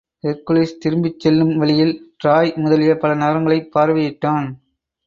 Hercules திரும்பிச் செல்லும் வழியில் டிராய் முதலிய பல நகரங்களைப் பார்வையிட்டான்.